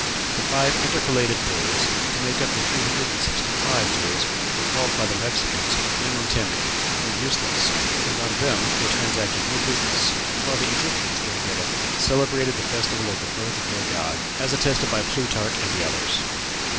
The five intercalated days to make up the three hundred and sixty five days were called by the Mexicans Nemontemi, or useless, and on them they transacted no business; while the Egyptians, during that epoch, celebrated the festival of the birth of their gods, as attested by Plutarch and others.